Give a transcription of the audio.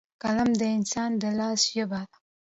قلم د انسان د لاس ژبه ده.